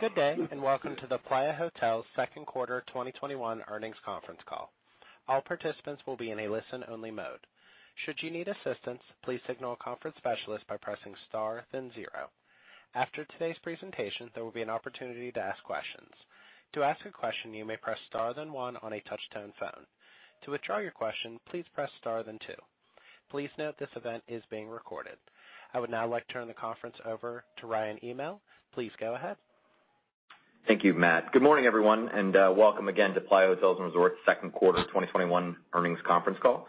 Good day, and welcome to the Playa Hotels second quarter 2021 earnings conference call. All participants will be in a listen-only mode. Should you need assistance please signal conference specialist by pressing star then zero. After today's presentation, there will be an opportunity to ask questions. To ask a question you may press star then one on a touchtone phone. To withdraw your question please press star then two. Please note this event is being recorded. I would now like to turn the conference over to Ryan Hymel. Please go ahead. Thank you, Matt. Good morning, everyone, and welcome again to Playa Hotels & Resorts second quarter 2021 earnings conference call.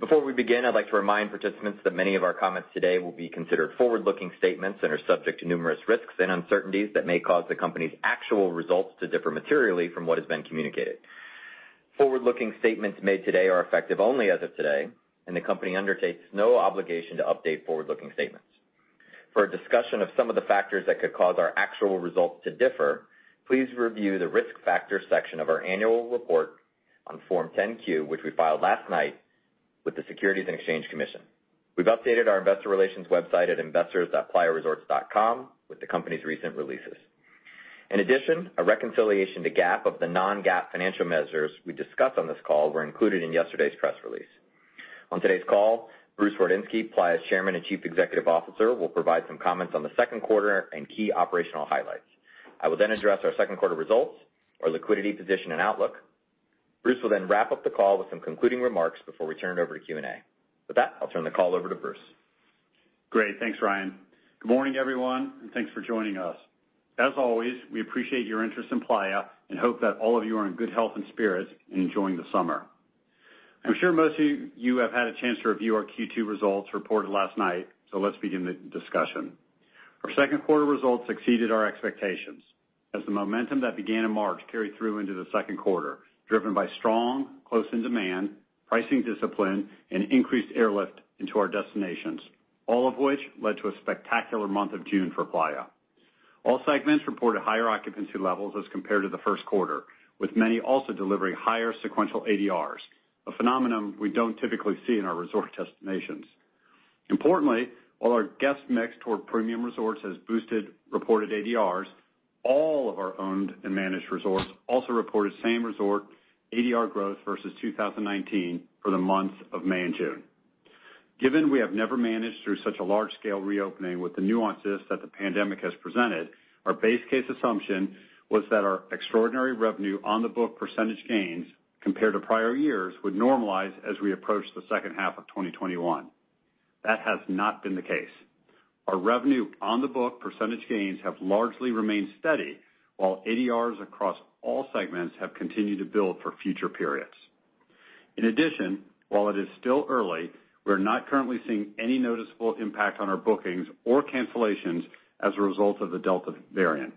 Before we begin, I'd like to remind participants that many of our comments today will be considered forward-looking statements and are subject to numerous risks and uncertainties that may cause the company's actual results to differ materially from what has been communicated. Forward-looking statements made today are effective only as of today, and the company undertakes no obligation to update forward-looking statements. For a discussion of some of the factors that could cause our actual results to differ, please review the Risk Factors section of our annual report on Form 10-Q, which we filed last night with the Securities and Exchange Commission. We've updated our investor relations website at investors.playaresorts.com with the company's recent releases. In addition, a reconciliation to GAAP of the non-GAAP financial measures we discuss on this call were included in yesterday's press release. On today's call, Bruce Wardinski, Playa's Chairman and Chief Executive Officer, will provide some comments on the second quarter and key operational highlights. I will then address our second quarter results, our liquidity position and outlook. Bruce will then wrap up the call with some concluding remarks before we turn it over to Q&A. With that, I'll turn the call over to Bruce. Great. Thanks, Ryan. Good morning, everyone, and thanks for joining us. As always, we appreciate your interest in Playa and hope that all of you are in good health and spirit and enjoying the summer. I'm sure most of you have had a chance to review our Q2 results reported last night. Let's begin the discussion. Our second quarter results exceeded our expectations as the momentum that began in March carried through into the second quarter, driven by strong close-in demand, pricing discipline, and increased airlift into our destinations, all of which led to a spectacular month of June for Playa. All segments reported higher occupancy levels as compared to the first quarter, with many also delivering higher sequential ADRs, a phenomenon we don't typically see in our resort destinations. Importantly, while our guest mix toward premium resorts has boosted reported ADRs, all of our owned and managed resorts also reported same resort ADR growth versus 2019 for the months of May and June. Given we have never managed through such a large scale reopening with the nuances that the pandemic has presented, our base case assumption was that our extraordinary revenue on the book percentage gains, compared to prior years, would normalize as we approach the second half of 2021. That has not been the case. Our revenue on the book percentage gains have largely remained steady, while ADRs across all segments have continued to build for future periods. In addition, while it is still early, we are not currently seeing any noticeable impact on our bookings or cancellations as a result of the Delta variant.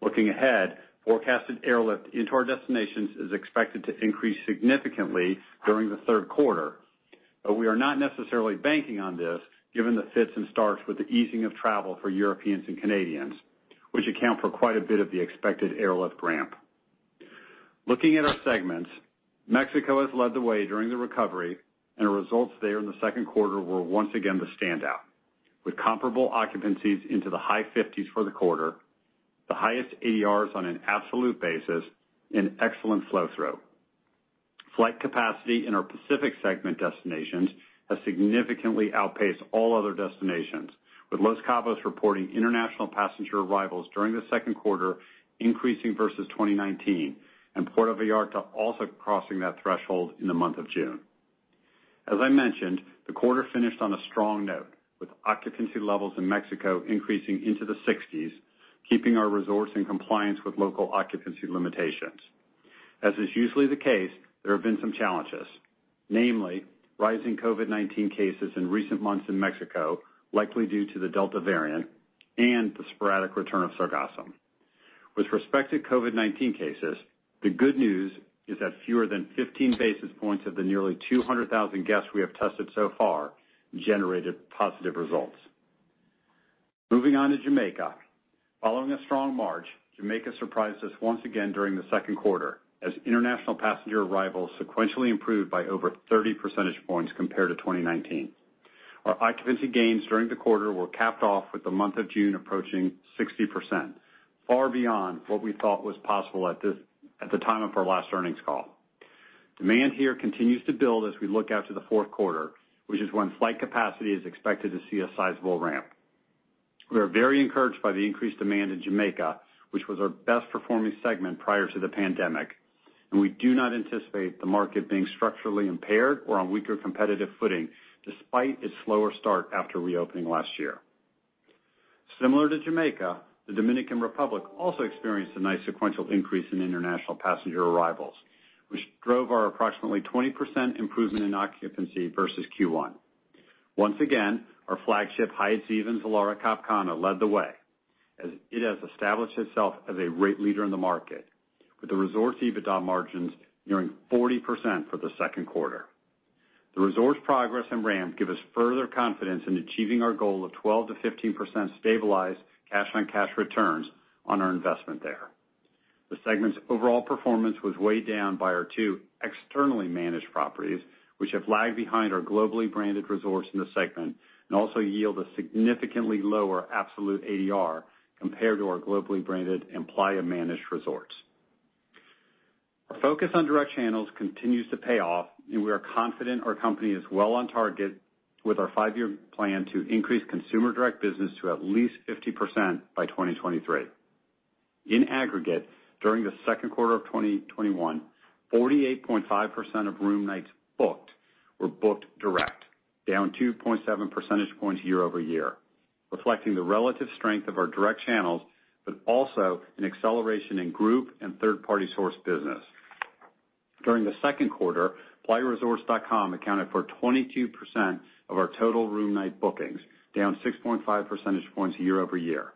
Looking ahead, forecasted airlift into our destinations is expected to increase significantly during the third quarter, but we are not necessarily banking on this given the fits and starts with the easing of travel for Europeans and Canadians, which account for quite a bit of the expected airlift ramp. Looking at our segments, Mexico has led the way during the recovery, and our results there in the second quarter were once again the standout. With comparable occupancies into the high 50s for the quarter, the highest ADRs on an absolute basis, and excellent flow through. Flight capacity in our Pacific segment destinations has significantly outpaced all other destinations, with Los Cabos reporting international passenger arrivals during the second quarter increasing versus 2019, and Puerto Vallarta also crossing that threshold in the month of June. As I mentioned, the quarter finished on a strong note, with occupancy levels in Mexico increasing into the 60s, keeping our resorts in compliance with local occupancy limitations. As is usually the case, there have been some challenges, namely rising COVID-19 cases in recent months in Mexico, likely due to the Delta variant, and the sporadic return of Sargassum. With respect to COVID-19 cases, the good news is that fewer than 15 basis points of the nearly 200,000 guests we have tested so far generated positive results. Moving on to Jamaica. Following a strong March, Jamaica surprised us once again during the second quarter as international passenger arrivals sequentially improved by over 30 percentage points compared to 2019. Our occupancy gains during the quarter were capped off with the month of June approaching 60%, far beyond what we thought was possible at the time of our last earnings call. Demand here continues to build as we look out to the fourth quarter, which is when flight capacity is expected to see a sizable ramp. We are very encouraged by the increased demand in Jamaica, which was our best performing segment prior to the pandemic, and we do not anticipate the market being structurally impaired or on weaker competitive footing, despite its slower start after reopening last year. Similar to Jamaica, the Dominican Republic also experienced a nice sequential increase in international passenger arrivals, which drove our approximately 20% improvement in occupancy versus Q1. Once again, our flagship Hyatt Ziva Zilara Cap Cana led the way, as it has established itself as a rate leader in the market, with the resort's EBITDA margins nearing 40% for the second quarter. The resort's progress and ramp give us further confidence in achieving our goal of 12%-15% stabilized cash-on-cash returns on our investment there. The segment's overall performance was weighed down by our two externally managed properties, which have lagged behind our globally branded resorts in the segment and also yield a significantly lower absolute ADR compared to our globally branded and Playa managed resorts. Our focus on direct channels continues to pay off, and we are confident our company is well on target with our five-year plan to increase consumer direct business to at least 50% by 2023. In aggregate, during the second quarter of 2021, 48.5% of room nights booked were booked direct, down 2.7 percentage points year-over-year, reflecting the relative strength of our direct channels, but also an acceleration in group and third-party source business. During the second quarter, playaresorts.com accounted for 22% of our total room night bookings, down 6.5 percentage points year-over-year.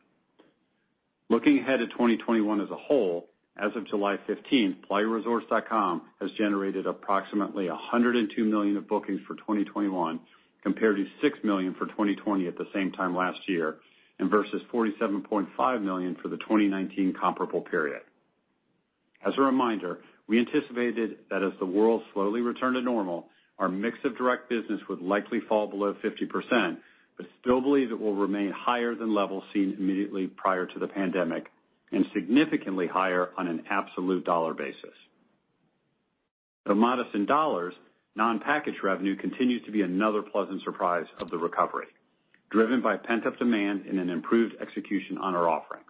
Looking ahead to 2021 as a whole, as of July 15th, playaresorts.com has generated approximately $102 million of bookings for 2021, compared to $6 million for 2020 at the same time last year, and versus $47.5 million for the 2019 comparable period. As a reminder, we anticipated that as the world slowly returned to normal, our mix of direct business would likely fall below 50%, but still believe it will remain higher than levels seen immediately prior to the pandemic, and significantly higher on an absolute dollar basis. Though modest in dollars, non-package revenue continues to be another pleasant surprise of the recovery, driven by pent-up demand and an improved execution on our offerings.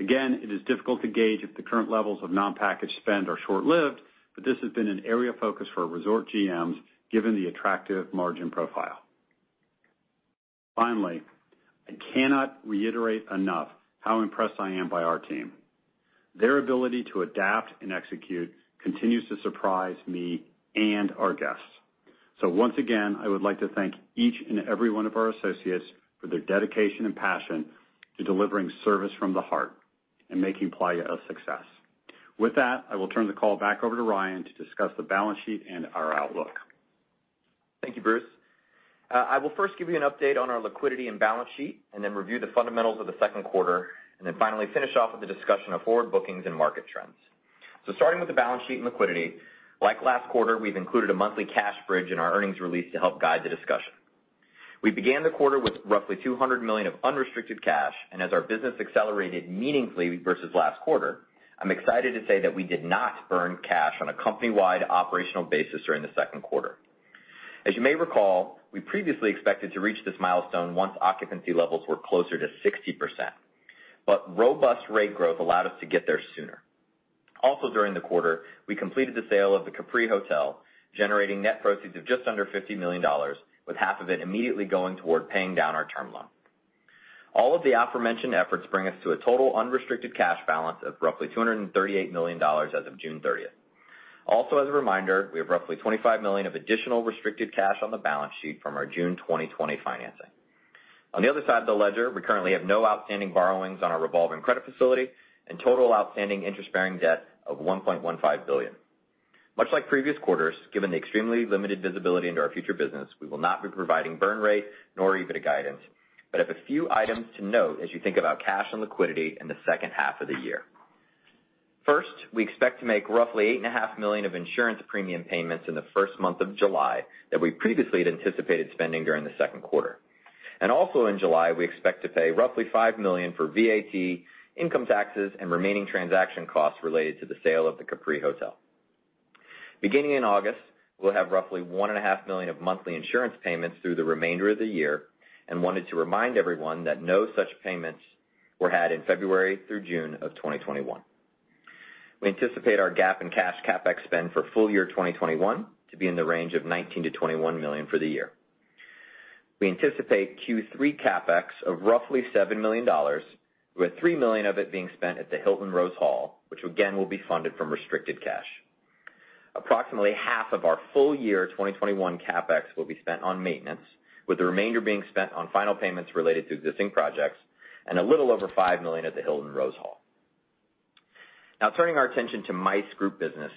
Again, it is difficult to gauge if the current levels of non-package spend are short-lived, but this has been an area of focus for our resort GMs given the attractive margin profile. Finally, I cannot reiterate enough how impressed I am by our team. Their ability to adapt and execute continues to surprise me and our guests. Once again, I would like to thank each and every one of our associates for their dedication and passion to delivering service from the heart and making Playa a success. With that, I will turn the call back over to Ryan to discuss the balance sheet and our outlook. Thank you, Bruce. I will first give you an update on our liquidity and balance sheet, and then review the fundamentals of the second quarter, and then finally finish off with a discussion of forward bookings and market trends. Starting with the balance sheet and liquidity, like last quarter, we've included a monthly cash bridge in our earnings release to help guide the discussion. We began the quarter with roughly $200 million of unrestricted cash, and as our business accelerated meaningfully versus last quarter, I'm excited to say that we did not burn cash on a company-wide operational basis during the second quarter. As you may recall, we previously expected to reach this milestone once occupancy levels were closer to 60%, but robust rate growth allowed us to get there sooner. Also during the quarter, we completed the sale of the Capri Hotel, generating net proceeds of just under $50 million, with half of it immediately going toward paying down our term loan. All of the aforementioned efforts bring us to a total unrestricted cash balance of roughly $238 million as of June 30th. Also, as a reminder, we have roughly $25 million of additional restricted cash on the balance sheet from our June 2020 financing. On the other side of the ledger, we currently have no outstanding borrowings on our revolving credit facility and total outstanding interest-bearing debt of $1.15 billion. Much like previous quarters, given the extremely limited visibility into our future business, we will not be providing burn rate nor EBITDA guidance, but have a few items to note as you think about cash and liquidity in the second half of the year. First, we expect to make roughly $8.5 million of insurance premium payments in the first month of July that we previously had anticipated spending during the second quarter. Also in July, we expect to pay roughly $5 million for VAT, income taxes, and remaining transaction costs related to the sale of the Capri Hotel. Beginning in August, we'll have roughly $1.5 million of monthly insurance payments through the remainder of the year and wanted to remind everyone that no such payments were had in February through June of 2021. We anticipate our GAAP and cash CapEx spend for full year 2021 to be in the range of $19 million-$21 million for the year. We anticipate Q3 CapEx of roughly $7 million, with $3 million of it being spent at the Hilton Rose Hall, which again will be funded from restricted cash. Approximately half of our full year 2021 CapEx will be spent on maintenance, with the remainder being spent on final payments related to existing projects, and a little over $5 million at the Hilton Rose Hall. Turning our attention to MICE group business,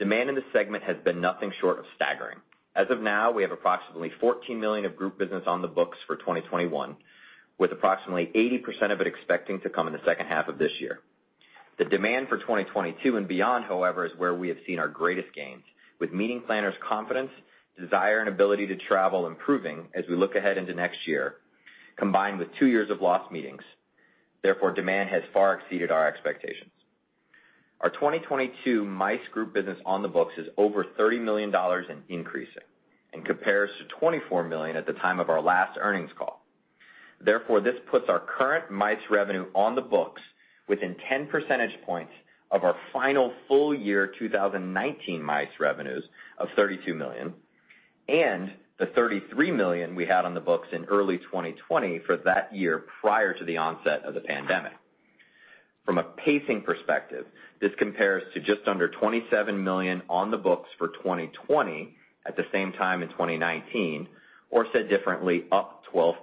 demand in this segment has been nothing short of staggering. As of now, we have approximately $14 million of group business on the books for 2021, with approximately 80% of it expecting to come in the second half of this year. The demand for 2022 and beyond, however, is where we have seen our greatest gains. With meeting planners' confidence, desire, and ability to travel improving as we look ahead into next year, combined with two years of lost meetings, demand has far exceeded our expectations. Our 2022 MICE group business on the books is over $30 million and increasing, and compares to $24 million at the time of our last earnings call. Therefore, this puts our current MICE revenue on the books within 10 percentage points of our final full year 2019 MICE revenues of $32 million and the $33 million we had on the books in early 2020 for that year prior to the onset of the pandemic. From a pacing perspective, this compares to just under $27 million on the books for 2020 at the same time in 2019, or said differently, up 12%.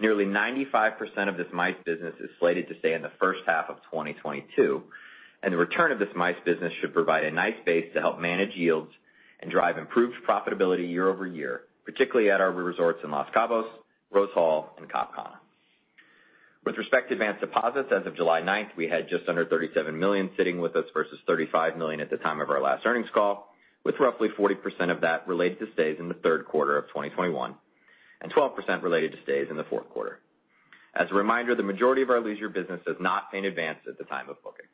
Nearly 95% of this MICE business is slated to stay in the first half of 2022. The return of this MICE business should provide a nice base to help manage yields and drive improved profitability year-over-year, particularly at our resorts in Los Cabos, Rose Hall, and Cap Cana. With respect to advance deposits as of July 9th, we had just under $37 million sitting with us versus $35 million at the time of our last earnings call, with roughly 40% of that related to stays in the third quarter of 2021, and 12% related to stays in the fourth quarter. As a reminder, the majority of our leisure business does not pay in advance at the time of booking.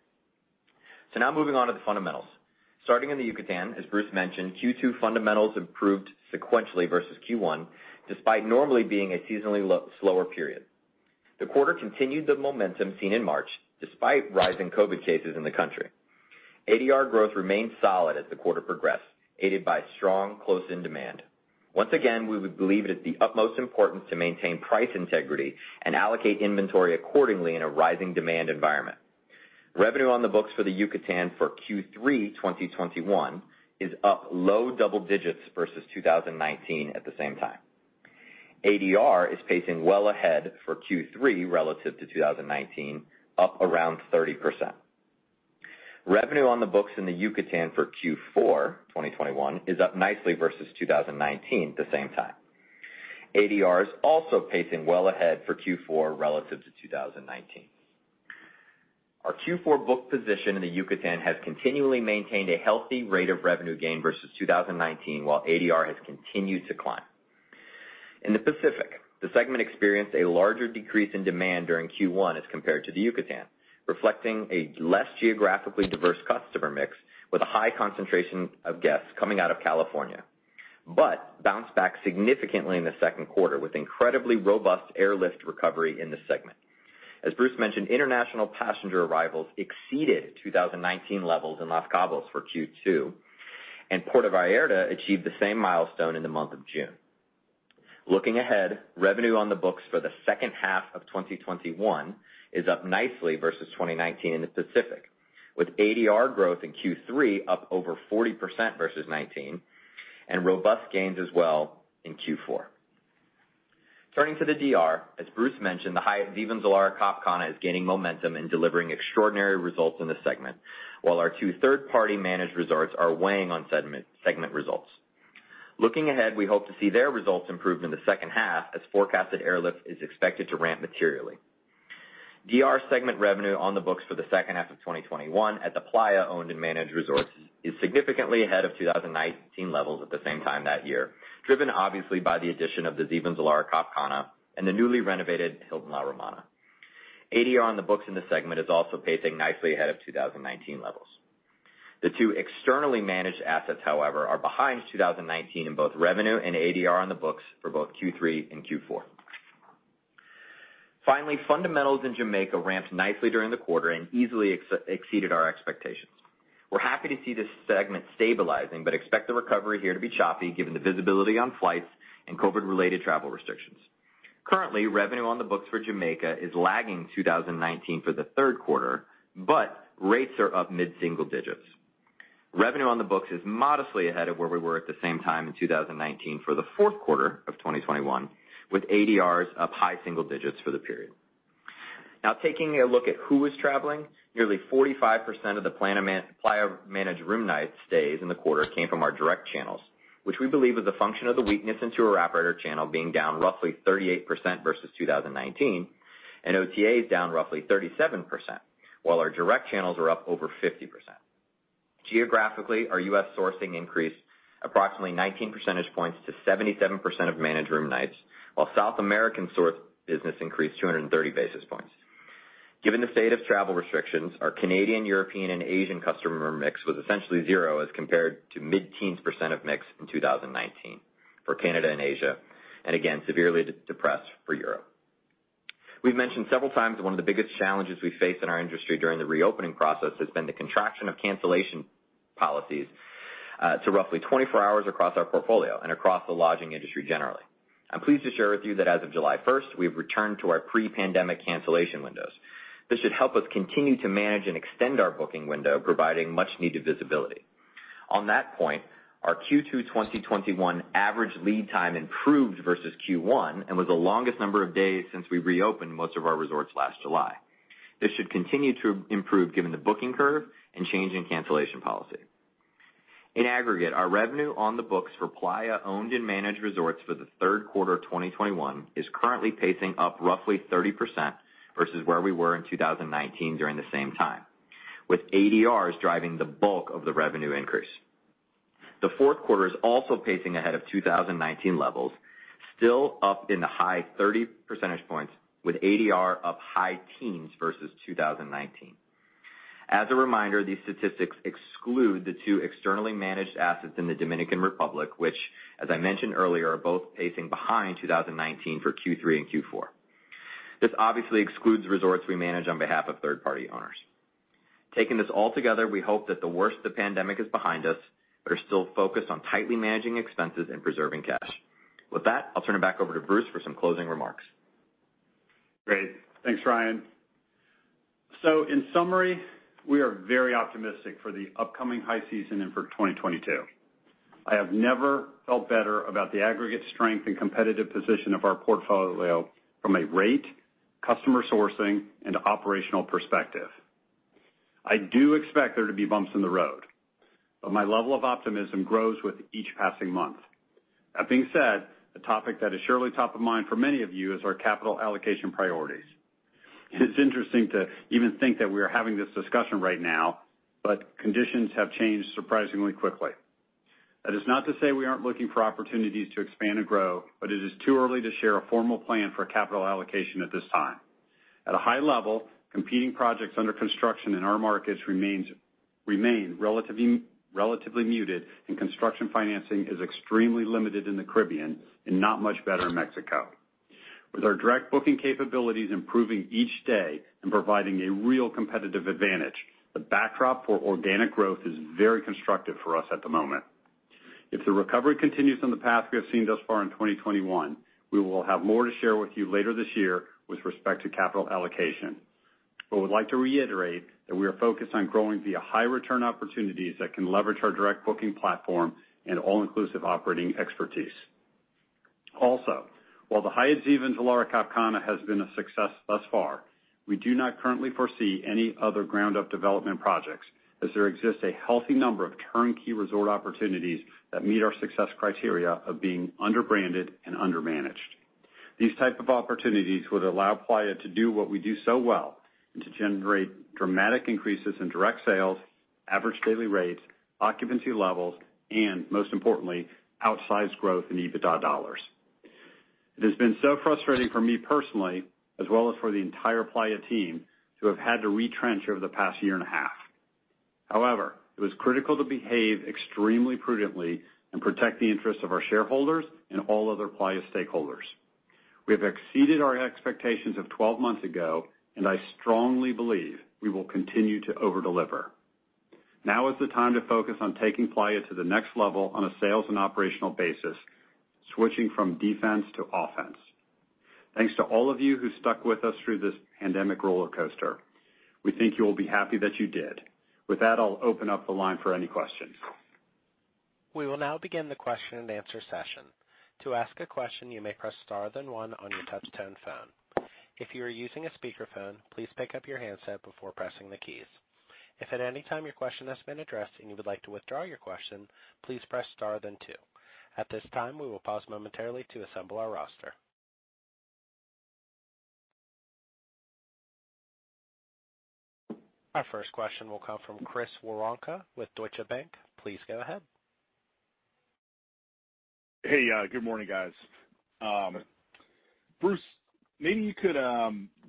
Now moving on to the fundamentals. Starting in the Yucatán, as Bruce mentioned, Q2 fundamentals improved sequentially versus Q1, despite normally being a seasonally slower period. The quarter continued the momentum seen in March, despite rising COVID-19 cases in the country. ADR growth remained solid as the quarter progressed, aided by strong close-in demand. Once again, we would believe it is the utmost importance to maintain price integrity and allocate inventory accordingly in a rising demand environment. Revenue on the books for the Yucatán for Q3 2021 is up low double digits versus 2019 at the same time. ADR is pacing well ahead for Q3 relative to 2019, up around 30%. Revenue on the books in the Yucatán for Q4 2021 is up nicely versus 2019 at the same time. ADR is also pacing well ahead for Q4 relative to 2019. Our Q4 book position in the Yucatán has continually maintained a healthy rate of revenue gain versus 2019, while ADR has continued to climb. In the Pacific, the segment experienced a larger decrease in demand during Q1 as compared to the Yucatán, reflecting a less geographically diverse customer mix with a high concentration of guests coming out of California, but bounced back significantly in the second quarter with incredibly robust airlift recovery in the segment. As Bruce mentioned, international passenger arrivals exceeded 2019 levels in Los Cabos for Q2, and Puerto Vallarta achieved the same milestone in the month of June. Looking ahead, revenue on the books for the second half of 2021 is up nicely versus 2019 in the Pacific, with ADR growth in Q3 up over 40% versus 2019, and robust gains as well in Q4. Turning to the D.R., as Bruce mentioned, the Hyatt Ziva Zilara Cap Cana is gaining momentum and delivering extraordinary results in the segment, while our two third-party managed resorts are weighing on segment results. Looking ahead, we hope to see their results improved in the second half as forecasted airlift is expected to ramp materially. D.R. segment revenue on the books for the second half of 2021 at the Playa owned and managed resorts is significantly ahead of 2019 levels at the same time that year, driven obviously by the addition of the Ziva Zilara Cap Cana and the newly renovated Hilton La Romana. ADR on the books in the segment is also pacing nicely ahead of 2019 levels. The two externally managed assets, however, are behind 2019 in both revenue and ADR on the books for both Q3 and Q4. Finally, fundamentals in Jamaica ramped nicely during the quarter and easily exceeded our expectations. We're happy to see this segment stabilizing, but expect the recovery here to be choppy given the visibility on flights and COVID related travel restrictions. Currently, revenue on the books for Jamaica is lagging 2019 for the third quarter, but rates are up mid single-digits. Revenue on the books is modestly ahead of where we were at the same time in 2019 for the fourth quarter of 2021, with ADRs up high single-digits for the period. Now taking a look at who was traveling, nearly 45% of the Playa managed room night stays in the quarter came from our direct channels, which we believe is a function of the weakness in tour operator channel being down roughly 38% versus 2019, and OTAs down roughly 37%, while our direct channels are up over 50%. Geographically, our U.S. sourcing increased approximately 19 percentage points to 77% of managed room nights, while South American sourced business increased 230 basis points. Given the state of travel restrictions, our Canadian, European, and Asian customer mix was essentially zero as compared to mid-teens percentage of mix in 2019 for Canada and Asia, and again, severely depressed for Europe. We've mentioned several times that one of the biggest challenges we face in our industry during the reopening process has been the contraction of cancellation policies, to roughly 24 hours across our portfolio and across the lodging industry generally. I'm pleased to share with you that as of July 1st, we have returned to our pre-pandemic cancellation windows. This should help us continue to manage and extend our booking window, providing much needed visibility. On that point, our Q2 2021 average lead time improved versus Q1 and was the longest number of days since we reopened most of our resorts last July. This should continue to improve given the booking curve and change in cancellation policy. In aggregate, our revenue on the books for Playa owned and managed resorts for the third quarter of 2021 is currently pacing up roughly 30% versus where we were in 2019 during the same time, with ADRs driving the bulk of the revenue increase. The fourth quarter is also pacing ahead of 2019 levels, still up in the high 30 percentage points, with ADR up high teens versus 2019. As a reminder, these statistics exclude the two externally managed assets in the Dominican Republic, which as I mentioned earlier, are both pacing behind 2019 for Q3 and Q4. This obviously excludes resorts we manage on behalf of third-party owners. Taking this all together, we hope that the worst of the pandemic is behind us, but are still focused on tightly managing expenses and preserving cash. With that, I'll turn it back over to Bruce for some closing remarks. Great. Thanks, Ryan. In summary, we are very optimistic for the upcoming high season and for 2022. I have never felt better about the aggregate strength and competitive position of our portfolio from a rate, customer sourcing, and operational perspective. I do expect there to be bumps in the road, but my level of optimism grows with each passing month. That being said, a topic that is surely top of mind for many of you is our capital allocation priorities. It's interesting to even think that we are having this discussion right now, but conditions have changed surprisingly quickly. That is not to say we aren't looking for opportunities to expand and grow, but it is too early to share a formal plan for capital allocation at this time. At a high level, competing projects under construction in our markets remain relatively muted, and construction financing is extremely limited in the Caribbean and not much better in Mexico. With our direct booking capabilities improving each day and providing a real competitive advantage, the backdrop for organic growth is very constructive for us at the moment. If the recovery continues on the path we have seen thus far in 2021, we will have more to share with you later this year with respect to capital allocation. I would like to reiterate that we are focused on growing via high return opportunities that can leverage our direct booking platform and all-inclusive operating expertise. While the Hyatt Ziva Zilara Cap Cana has been a success thus far, we do not currently foresee any other ground-up development projects, as there exists a healthy number of turnkey resort opportunities that meet our success criteria of being under branded and under managed. These type of opportunities would allow Playa to do what we do so well, and to generate dramatic increases in direct sales, average daily rates, occupancy levels, and most importantly, outsized growth in EBITDA dollars. It has been so frustrating for me personally, as well as for the entire Playa team, to have had to retrench over the past year and a half. However, it was critical to behave extremely prudently and protect the interests of our shareholders and all other Playa stakeholders. We have exceeded our expectations of 12 months ago, and I strongly believe we will continue to over deliver. Now is the time to focus on taking Playa to the next level on a sales and operational basis, switching from defense to offense. Thanks to all of you who stuck with us through this pandemic rollercoaster. We think you'll be happy that you did. With that, I'll open up the line for any questions. We will now begin the question-and-answer session. To ask a question, you may press star then one on your touchtone phone. If you are using a speaker phone, please pick up your handset before pressing the keys. If anytime you're question has been addressed and you would like to withdraw your question, please press star then two. At this time we will pause momentarily to assemble our roster. Our first question will come from Chris Woronka with Deutsche Bank. Please go ahead. Hey, good morning guys. Bruce, maybe you could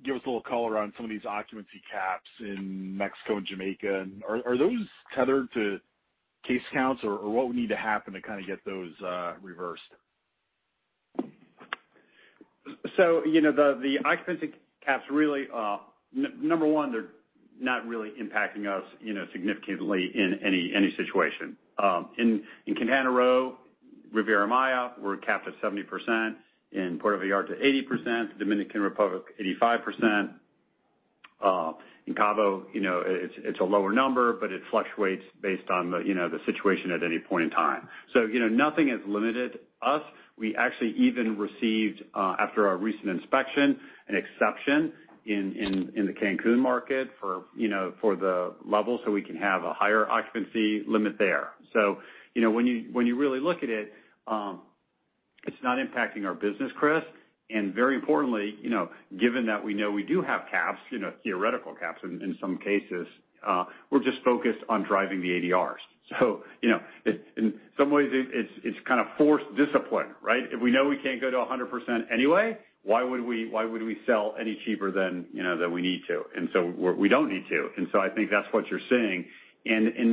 give us a little color on some of these occupancy caps in Mexico and Jamaica, and are those tethered to case counts, or what would need to happen to get those reversed? The occupancy caps really, number one, they're not really impacting us significantly in any situation. In Quintana Roo, Riviera Maya, we're capped at 70%, in Puerto Vallarta, 80%, Dominican Republic, 85%. In Cabo, it's a lower number, but it fluctuates based on the situation at any point in time. Nothing has limited us. We actually even received, after our recent inspection, an exception in the Cancún market for the level, so we can have a higher occupancy limit there. When you really look at it's not impacting our business, Chris, and very importantly, given that we know we do have caps, theoretical caps in some cases, we're just focused on driving the ADRs. In some ways it's kind of forced discipline, right? If we know we can't go to 100% anyway, why would we sell any cheaper than we need to? We don't need to. I think that's what you're seeing.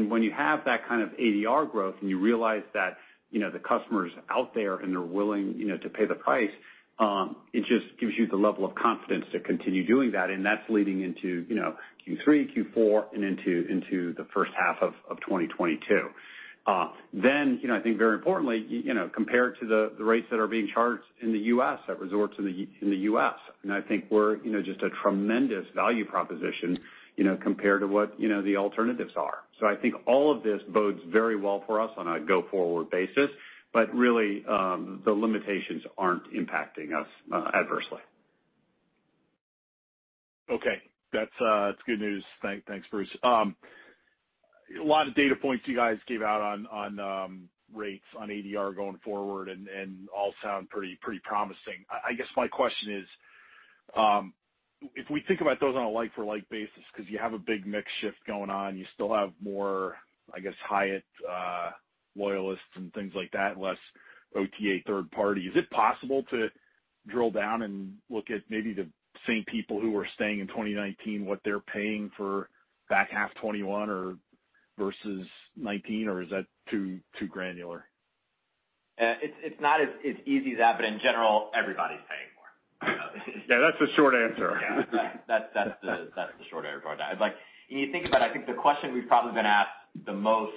When you have that kind of ADR growth and you realize that the customer's out there and they're willing to pay the price, it just gives you the level of confidence to continue doing that. That's leading into Q3, Q4, and into the first half of 2022. I think very importantly, compared to the rates that are being charged in the U.S., at resorts in the U.S., I think we're just a tremendous value proposition, compared to what the alternatives are. I think all of this bodes very well for us on a go forward basis, but really, the limitations aren't impacting us adversely. Okay. That's good news. Thanks, Bruce. A lot of data points you guys gave out on rates, on ADR going forward, all sound pretty promising. I guess my question is, if we think about those on a like for like basis, because you have a big mix shift going on, you still have more, I guess, Hyatt loyalists and things like that, less OTA third party, is it possible to drill down and look at maybe the same people who were staying in 2019, what they're paying for back half 2021 versus 2019, or is that too granular? It's not as easy as that, but in general, everybody's paying more. Yeah, that's the short answer. Yeah. That's the short answer. When you think about it, I think the question we've probably been asked the most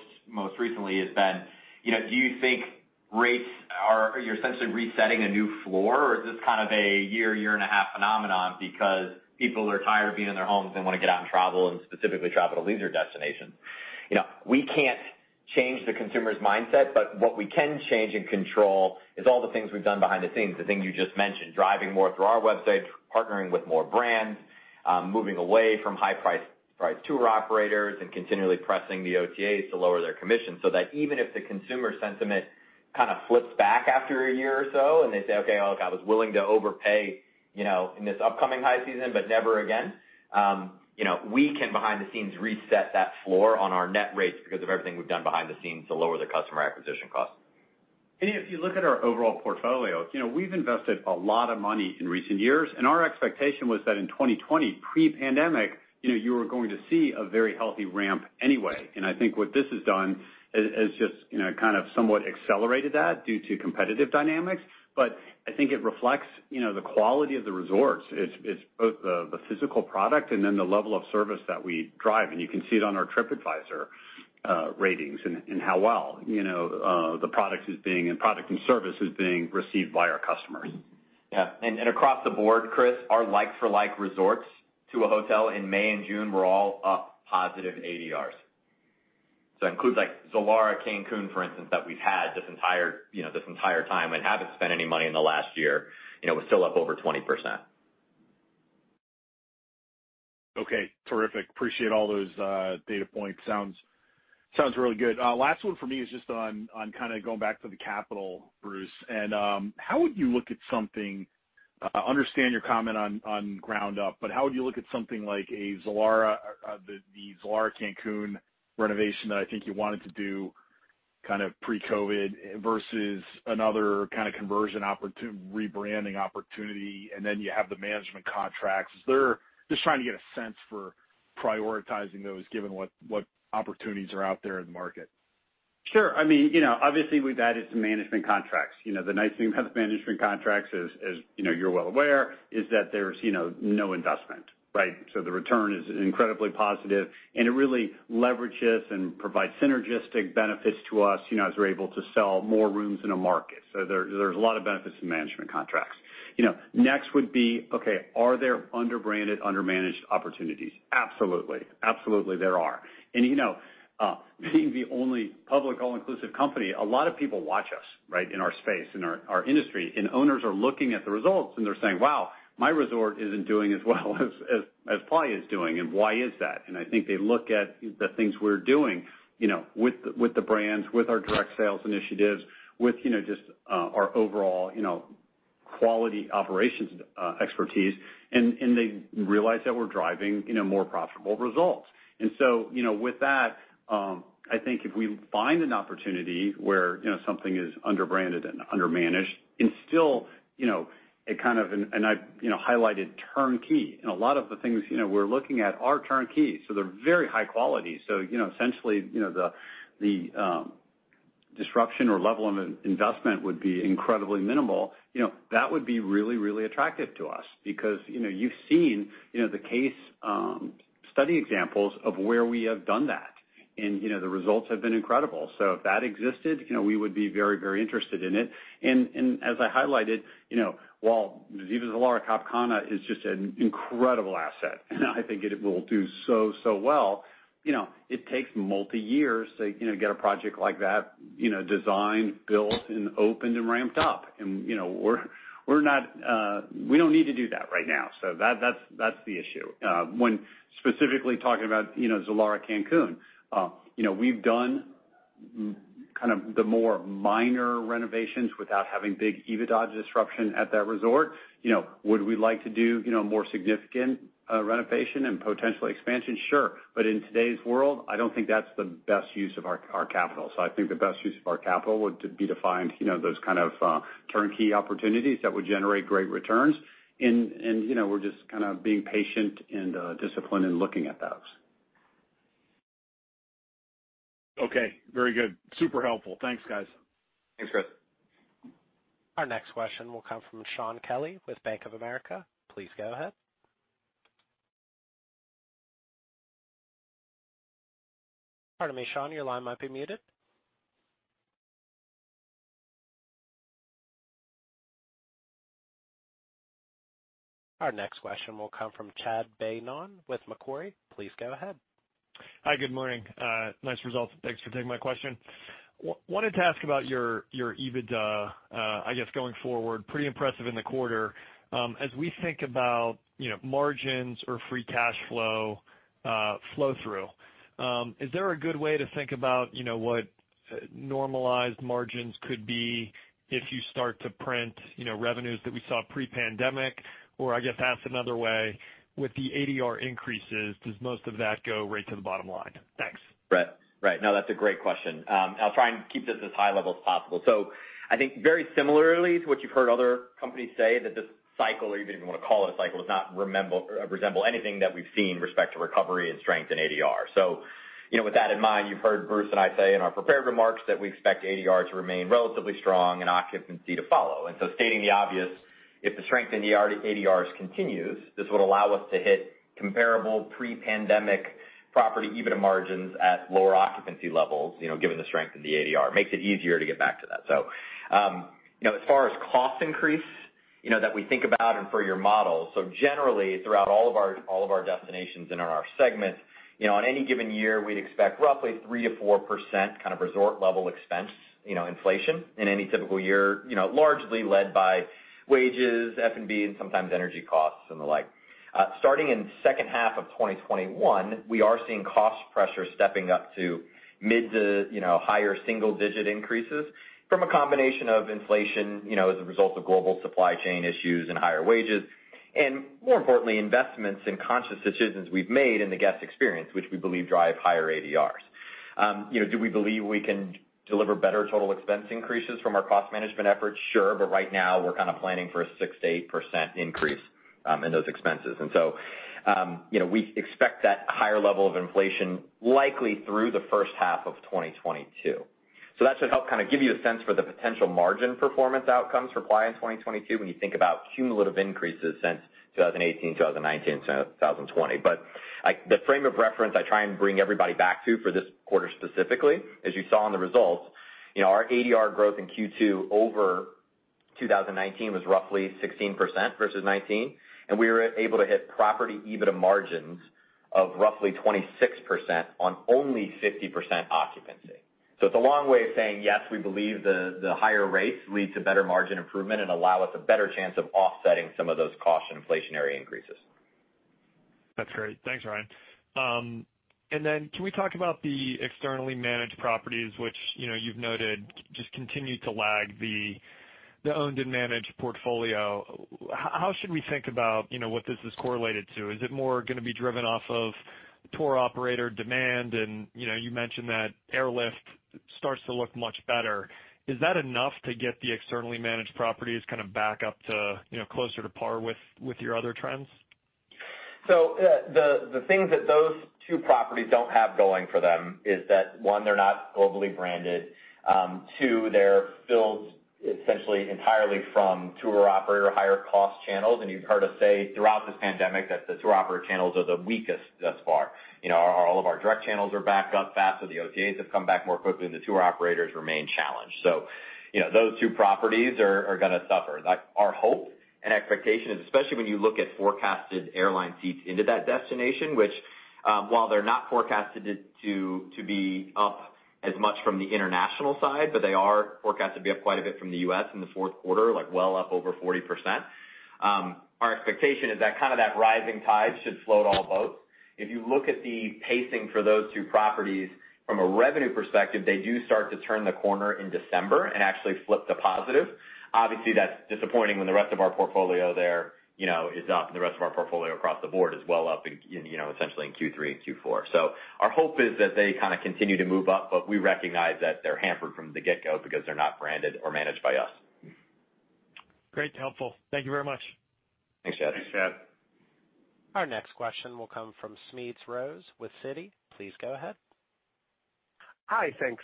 recently has been, do you think rates, are you essentially resetting a new floor, or is this kind of a year-and-a-half phenomenon because people are tired of being in their homes and want to get out and travel, and specifically travel to leisure destinations? We can't change the consumer's mindset, but what we can change and control is all the things we've done behind the scenes, the things you just mentioned, driving more through our websites, partnering with more brands, moving away from high price tour operators, and continually pressing the OTAs to lower their commission, so that even if the consumer sentiment kind of flips back after a year or so and they say, okay, look, I was willing to overpay in this upcoming high season, but never again. We can, behind the scenes, reset that floor on our net rates because of everything we've done behind the scenes to lower the customer acquisition cost. If you look at our overall portfolio, we've invested a lot of money in recent years, and our expectation was that in 2020, pre-pandemic, you were going to see a very healthy ramp anyway. I think what this has done is just kind of somewhat accelerated that due to competitive dynamics. I think it reflects the quality of the resorts. It's both the physical product and then the level of service that we drive. You can see it on our Tripadvisor ratings and how well the product and service is being received by our customers. Yeah. Across the board, Chris, our like-for-like resorts to a hotel in May and June were all up positive ADRs. That includes like Zilara Cancún, for instance, that we've had this entire time and haven't spent any money in the last year, was still up over 20%. Okay. Terrific. Appreciate all those data points. Sounds really good. Last one for me is just on kind of going back to the capital, Bruce. How would you look at something, I understand your comment on ground up, but how would you look at something like the Zilara Cancún renovation that I think you wanted to do kind of pre-COVID versus another kind of conversion rebranding opportunity, and then you have the management contracts. Just trying to get a sense for prioritizing those, given what opportunities are out there in the market. Sure. Obviously, we've added some management contracts. The nice thing about the management contracts is, as you're well aware, is that there's no investment, right? The return is incredibly positive, and it really leverages and provides synergistic benefits to us as we're able to sell more rooms in a market. There's a lot of benefits to management contracts. Next would be, okay, are there under-branded, under-managed opportunities? Absolutely. Absolutely, there are. Being the only public all-inclusive company, a lot of people watch us in our space, in our industry. Owners are looking at the results, and they're saying, wow, my resort isn't doing as well as Playa is doing, and why is that? I think they look at the things we're doing with the brands, with our direct sales initiatives, with just our overall quality operations expertise, and they realize that we're driving more profitable results. With that, I think if we find an opportunity where something is under-branded and under-managed and still I highlighted turnkey. A lot of the things we're looking at are turnkey, so they're very high quality. Essentially, the disruption or level of investment would be incredibly minimal. That would be really, really attractive to us because you've seen the case study examples of where we have done that. The results have been incredible. If that existed, we would be very, very interested in it. As I highlighted, while Zilara Cap Cana is just an incredible asset, and I think it will do so well, it takes multi years to get a project like that designed, built, and opened, and ramped up. We don't need to do that right now. That's the issue. When specifically talking about Zilara Cancún. We've done kind of the more minor renovations without having big EBITDA disruption at that resort. Would we like to do more significant renovation and potential expansion? Sure. In today's world, I don't think that's the best use of our capital. I think the best use of our capital would be to find those kind of turnkey opportunities that would generate great returns. We're just kind of being patient and disciplined in looking at those. Okay. Very good. Super helpful. Thanks, guys. Thanks, Chris Our next question will come from Shaun Kelley with Bank of America. Please go ahead. Pardon me, Shaun, your line might be muted. Our next question will come from Chad Beynon with Macquarie. Please go ahead. Hi, good morning. Nice results. Thanks for taking my question. Wanted to ask about your EBITDA, I guess, going forward. Pretty impressive in the quarter. As we think about margins or free cash flow through, is there a good way to think about what normalized margins could be if you start to print revenues that we saw pre-pandemic? I guess asked another way, with the ADR increases, does most of that go right to the bottom line? Thanks. Right. No, that's a great question. I'll try and keep this as high level as possible. I think very similarly to what you've heard other companies say, that this cycle, or you can even want to call it a cycle, does not resemble anything that we've seen in respect to recovery and strength in ADR. With that in mind, you've heard Bruce and I say in our prepared remarks that we expect ADR to remain relatively strong and occupancy to follow. Stating the obvious, if the strength in ADRs continues, this would allow us to hit comparable pre-pandemic property EBITDA margins at lower occupancy levels, given the strength in the ADR. Makes it easier to get back to that. As far as cost increase That we think about and for your model. Generally, throughout all of our destinations and in our segments, on any given year, we'd expect roughly 3%-4% kind of resort-level expense inflation in any typical year, largely led by wages, F&B, and sometimes energy costs and the like. Starting in second half of 2021, we are seeing cost pressure stepping up to mid-to-higher single-digit increases from a combination of inflation as a result of global supply chain issues and higher wages, and more importantly, investments in conscious decisions we've made in the guest experience, which we believe drive higher ADRs. Do we believe we can deliver better total expense increases from our cost management efforts? Sure. Right now, we're kind of planning for a 6%-8% increase in those expenses. We expect that higher level of inflation likely through the first half of 2022. That should help kind of give you a sense for the potential margin performance outcomes for Playa in 2022 when you think about cumulative increases since 2018, 2019, 2020. The frame of reference I try and bring everybody back to for this quarter specifically, as you saw in the results, our ADR growth in Q2 over 2019 was roughly 16% versus 19%, and we were able to hit property EBITDA margins of roughly 26% on only 50% occupancy. It's a long way of saying, yes, we believe the higher rates lead to better margin improvement and allow us a better chance of offsetting some of those cost inflationary increases. That's great. Thanks, Ryan. Can we talk about the externally managed properties, which you've noted just continue to lag the owned and managed portfolio. How should we think about what this is correlated to? Is it more going to be driven off of tour operator demand? You mentioned that airlift starts to look much better. Is that enough to get the externally managed properties kind of back up to closer to par with your other trends? The things that those two properties don't have going for them is that, one, they're not globally branded. Two, they're filled essentially entirely from tour operator higher cost channels. You've heard us say throughout this pandemic that the tour operator channels are the weakest thus far. All of our direct channels are back up faster, the OTAs have come back more quickly, and the tour operators remain challenged. Those two properties are going to suffer. Our hope and expectation is, especially when you look at forecasted airline seats into that destination, which, while they're not forecasted to be up as much from the international side, but they are forecasted to be up quite a bit from the U.S. in the fourth quarter, like well up over 40%. Our expectation is that kind of that rising tide should float all boats. If you look at the pacing for those two properties from a revenue perspective, they do start to turn the corner in December and actually flip to positive. Obviously, that's disappointing when the rest of our portfolio there is up, and the rest of our portfolio across the board is well up essentially in Q3 and Q4. Our hope is that they kind of continue to move up, but we recognize that they're hampered from the get-go because they're not branded or managed by us. Great, helpful. Thank you very much. Thanks, Chad. Thanks, Chad. Our next question will come from Smedes Rose with Citi. Please go ahead. Hi, thanks.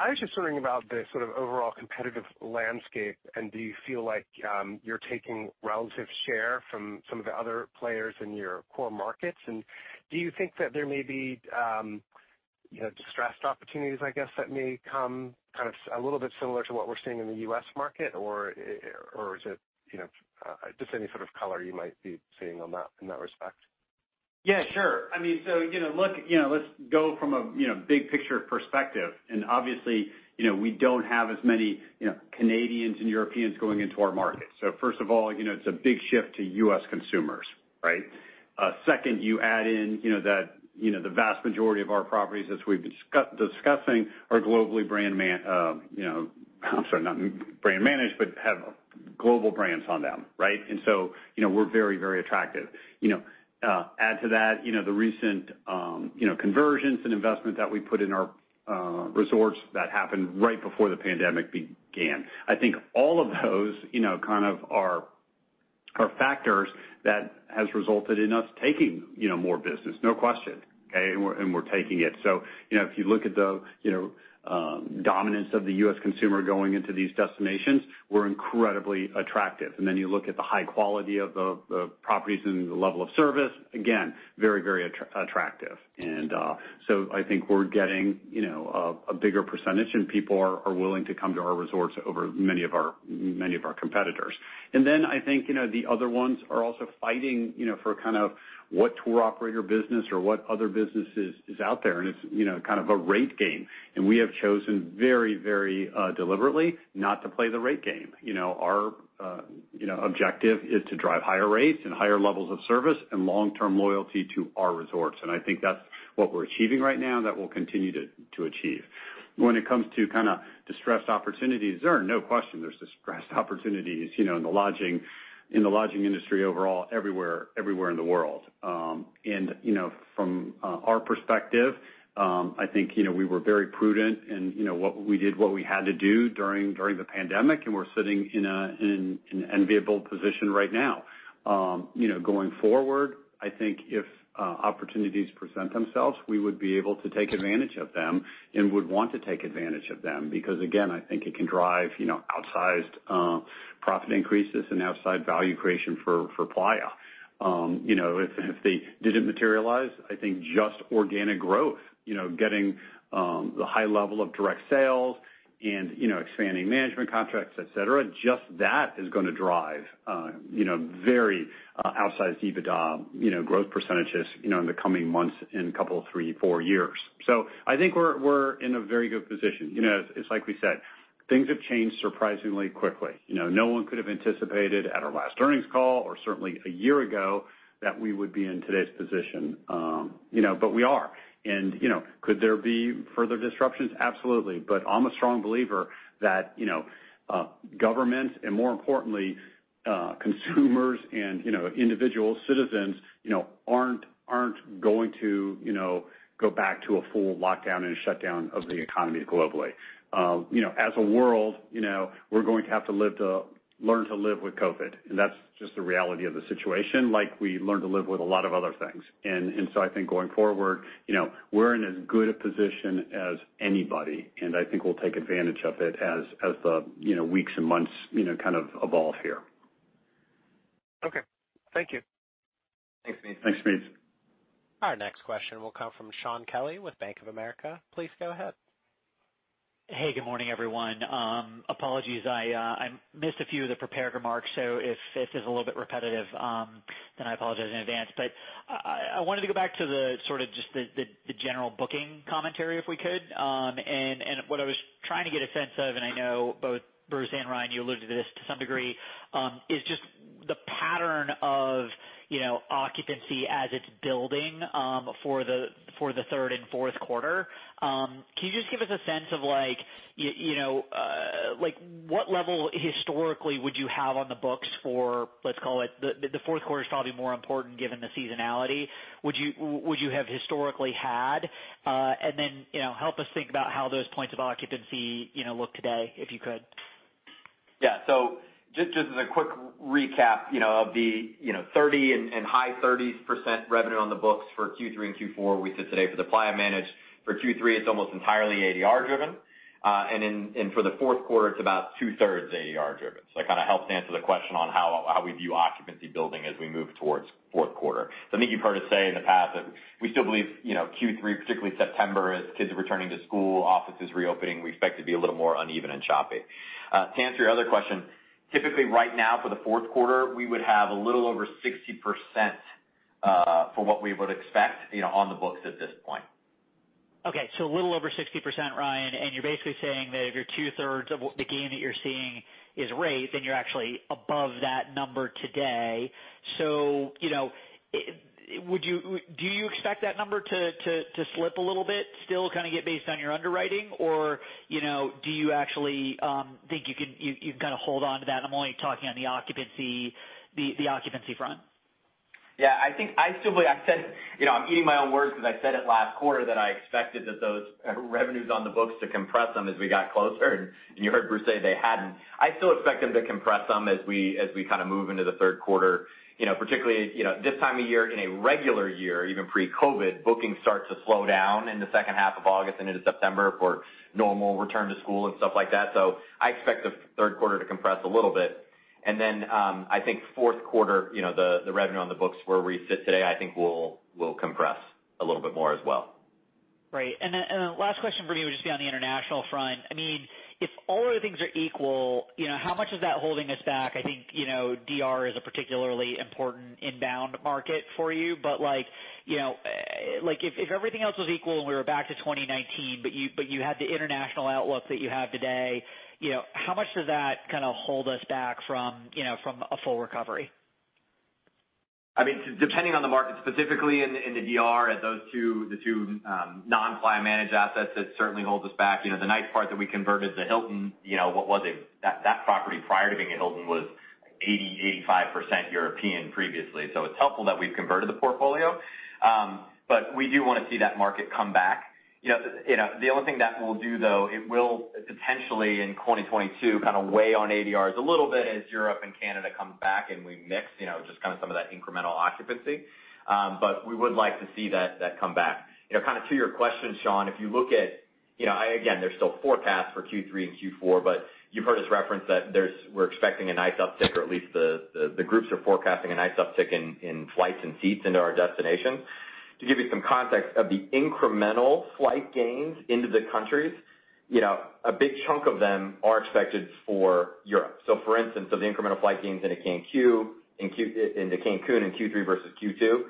I was just wondering about the sort of overall competitive landscape, and do you feel like you're taking relative share from some of the other players in your core markets? Do you think that there may be distressed opportunities, I guess, that may come kind of a little bit similar to what we're seeing in the U.S. market? Just any sort of color you might be seeing on that in that respect. Yeah, sure. Let's go from a big picture perspective. Obviously, we don't have as many Canadians and Europeans going into our markets. First of all, it's a big shift to U.S. consumers, right? Second, you add in the vast majority of our properties as we've been discussing are globally not brand managed, but have global brands on them, right? We're very, very attractive. Add to that the recent conversions and investment that we put in our resorts that happened right before the pandemic began. I think all of those kind of are factors that has resulted in us taking more business, no question, okay? We're taking it. If you look at the dominance of the U.S. consumer going into these destinations, we're incredibly attractive. You look at the high quality of the properties and the level of service, again, very, very attractive. I think we're getting a bigger percentage and people are willing to come to our resorts over many of our competitors. I think, the other ones are also fighting for kind of what tour operator business or what other businesses is out there, and it's kind of a rate game. We have chosen very, very deliberately not to play the rate game. Our objective is to drive higher rates and higher levels of service and long-term loyalty to our resorts, and I think that's what we're achieving right now and that we'll continue to achieve. When it comes to kind of distressed opportunities, there are no questions there's distressed opportunities in the lodging industry overall everywhere in the world. From our perspective, I think we were very prudent in what we did, what we had to do during the pandemic, and we're sitting in an enviable position right now. Going forward, I think if opportunities present themselves, we would be able to take advantage of them and would want to take advantage of them because, again, I think it can drive outsized profit increases and outsized value creation for Playa. If they didn't materialize, I think just organic growth, getting the high level of direct sales and expanding management contracts, et cetera, just that is going to drive very outsized EBITDA growth percentages in the coming months in couple of three, four years. I think we're in a very good position. It's like we said, things have changed surprisingly quickly. No one could have anticipated at our last earnings call or certainly a year ago that we would be in today's position. We are. Could there be further disruptions? Absolutely. I'm a strong believer that governments and more importantly, consumers and individual citizens aren't going to go back to a full lockdown and shutdown of the economy globally. As a world, we're going to have to learn to live with COVID, and that's just the reality of the situation like we learned to live with a lot of other things. I think going forward, we're in as good a position as anybody, and I think we'll take advantage of it as the weeks and months evolve here. Okay. Thank you. Thanks, Smedes. Our next question will come from Shaun Kelley with Bank of America. Please go ahead. Hey, good morning, everyone. Apologies I missed a few of the prepared remarks, if this is a little bit repetitive, I apologize in advance. I wanted to go back to the general booking commentary, if we could. What I was trying to get a sense of, I know both Bruce and Ryan, you alluded to this to some degree, is just the pattern of occupancy as it's building for the third and fourth quarter. Can you just give us a sense of what level historically would you have on the books for, let's call it, the fourth quarter is probably more important given the seasonality. Would you have historically had, help us think about how those points of occupancy look today, if you could. Yeah. Just as a quick recap of the 30% and high 30% revenue on the books for Q3 and Q4 we sit today for the Playa managed. For Q3, it's almost entirely ADR driven. For the fourth quarter, it's about 2/3 ADR driven. That kind of helps to answer the question on how we view occupancy building as we move towards fourth quarter. I think you've heard us say in the past that we still believe, Q3, particularly September, as kids are returning to school, offices reopening, we expect it to be a little more uneven and choppy. To answer your other question, typically right now for the fourth quarter, we would have a little over 60% for what we would expect on the books at this point. Okay. A little over 60%, Ryan, and you're basically saying that if you're 2/3 of the gain that you're seeing is rate, then you're actually above that number today. Do you expect that number to slip a little bit, still kind of get based on your underwriting, or do you actually think you can hold onto that? I'm only talking on the occupancy front. Yeah, I still believe I'm eating my own words because I said it last quarter that I expected that those revenues on the books to compress them as we got closer, and you heard Bruce say they hadn't. I still expect them to compress some as we move into the third quarter. Particularly, this time of year in a regular year, even pre-COVID, bookings start to slow down in the second half of August and into September for normal return to school and stuff like that. I expect the third quarter to compress a little bit. I think fourth quarter, the revenue on the books where we sit today, I think will compress a little bit more as well. Right. Last question for you would just be on the international front. If all other things are equal, how much is that holding us back? I think D.R. is a particularly important inbound market for you, but if everything else was equal and we were back to 2019, but you had the international outlook that you have today, how much does that kind of hold us back from a full recovery? Depending on the market, specifically in the D.R. and the two non-Playa-managed assets, it certainly holds us back. The nice part that we converted to Hilton, what was it? That property prior to being a Hilton was 80%, 85% European previously. It's helpful that we've converted the portfolio. We do want to see that market come back. The only thing that will do, though, it will potentially in 2022 kind of weigh on ADRs a little bit as Europe and Canada come back and we mix just some of that incremental occupancy. We would like to see that come back. To your question, Shaun, if you look at again, there's still forecasts for Q3 and Q4, but you've heard us reference that we're expecting a nice uptick or at least the groups are forecasting a nice uptick in flights and seats into our destination. To give you some context of the incremental flight gains into the countries, a big chunk of them are expected for Europe. For instance, of the incremental flight gains into Cancún in Q3 versus Q2,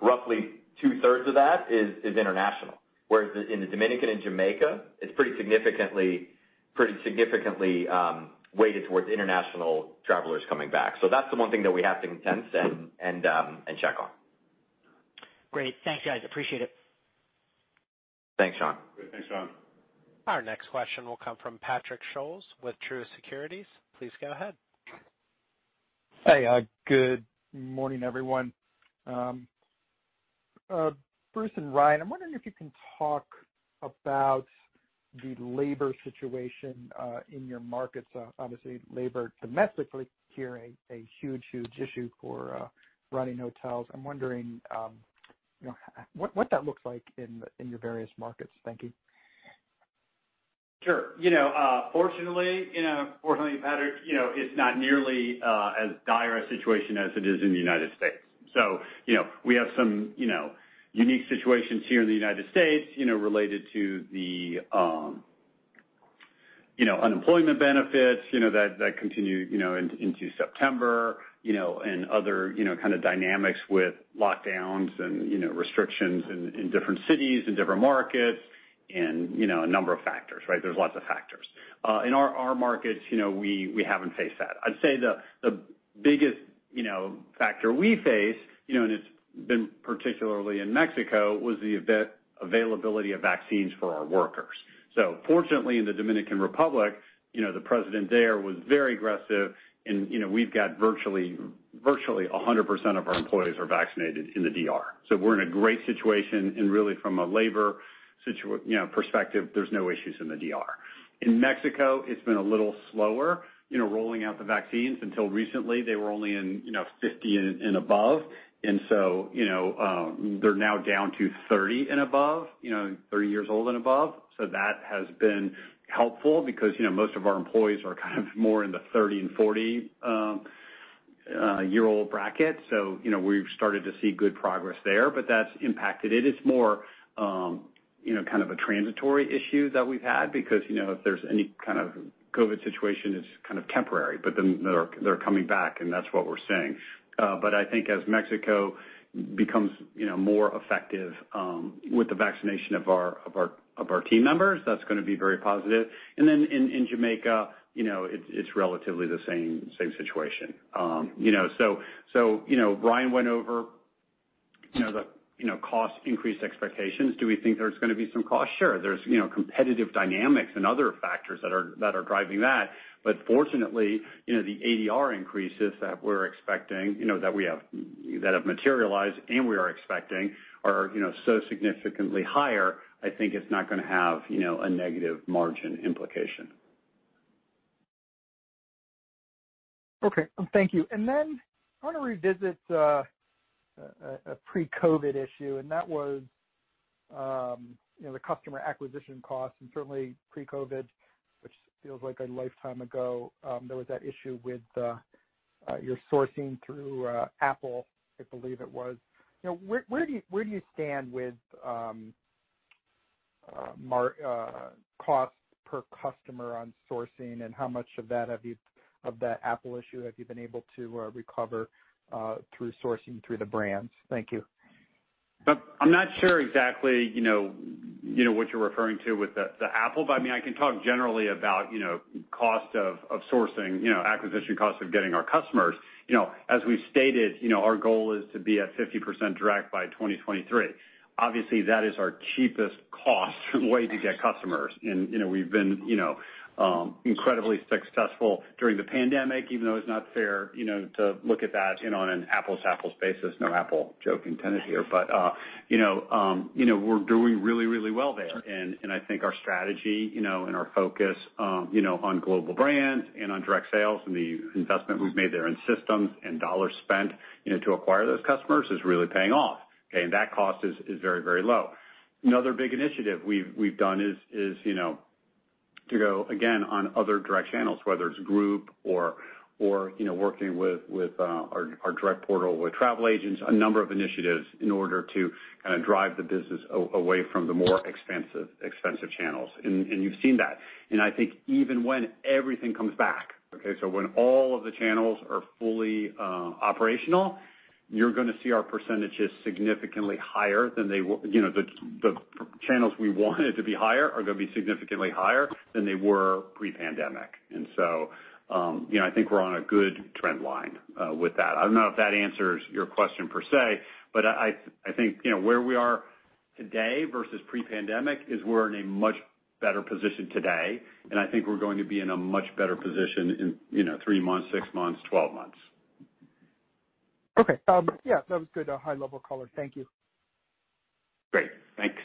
roughly 2/3 of that is international. Whereas in the Dominican and Jamaica, it's pretty significantly weighted towards international travelers coming back. That's the one thing that we have to intend and check on. Great. Thanks, guys. Appreciate it. Thanks, Shaun. Great. Thanks, Shaun. Our next question will come from Patrick Scholes with Truist Securities. Please go ahead. Hey, good morning, everyone. Bruce and Ryan, I'm wondering if you can talk about the labor situation in your markets. Obviously, labor domestically here, a huge issue for running hotels. I'm wondering what that looks like in your various markets. Thank you. Sure. Fortunately, Patrick, it's not nearly as dire a situation as it is in the United States. We have some unique situations here in the United States related to the unemployment benefits that continue into September, and other kind of dynamics with lockdowns and restrictions in different cities and different markets, and a number of factors, right? There's lots of factors. In our markets, we haven't faced that. I'd say the biggest factor we face, and it's been particularly in Mexico, was the availability of vaccines for our workers. Fortunately, in the Dominican Republic, the president there was very aggressive and we've got virtually 100% of our employees are vaccinated in the D.R. We're in a great situation, and really from a labor perspective, there's no issues in the DR. In Mexico, it's been a little slower rolling out the vaccines until recently. They were only in 50 and above. They're now down to 30 and above, 30 years old and above. That has been helpful because most of our employees are kind of more in the 30 and 40 year old bracket. We've started to see good progress there. That's impacted it. It's more kind of a transitory issue that we've had because if there's any kind of COVID situation, it's kind of temporary, but then they're coming back, and that's what we're seeing. I think as Mexico becomes more effective with the vaccination of our team members, that's going to be very positive. In Jamaica, it's relatively the same situation. Ryan went over the cost increase expectations. Do we think there's going to be some cost? Sure. There's competitive dynamics and other factors that are driving that. Fortunately, the ADR increases that have materialized and we are expecting are so significantly higher, I think it's not going to have a negative margin implication. Okay. Thank you. I want to revisit a pre-COVID issue, and that was the customer acquisition cost and certainly pre-COVID, which feels like a lifetime ago. There was that issue with your sourcing through Apple, I believe it was. Where do you stand with cost per customer on sourcing, and how much of that Apple issue have you been able to recover through sourcing through the brands? Thank you. I'm not sure exactly what you're referring to with the Apple, but I can talk generally about cost of sourcing, acquisition cost of getting our customers. As we've stated, our goal is to be at 50% direct by 2023. Obviously, that is our cheapest cost way to get customers. We've been incredibly successful during the pandemic, even though it's not fair to look at that on an Apple's basis. No Apple joke intended here, but we're doing really well there. I think our strategy and our focus on global brands and on direct sales and the investment we've made there in systems and dollars spent to acquire those customers is really paying off, okay? That cost is very low. Another big initiative we've done is to go again on other direct channels, whether it's group or working with our direct portal with travel agents, a number of initiatives in order to kind of drive the business away from the more expensive channels. You've seen that. I think even when everything comes back, okay, so when all of the channels are fully operational, you're going to see our percentages significantly higher. The channels we wanted to be higher are going to be significantly higher than they were pre-pandemic. I think we're on a good trend line with that. I don't know if that answers your question per se, but I think where we are today versus pre-pandemic is we're in a much better position today, and I think we're going to be in a much better position in three months, six months, 12 months. Okay. Yeah, that was good high level color. Thank you. Great. Thanks.